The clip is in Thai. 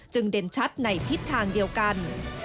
เด่นชัดในทิศทางเดียวกัน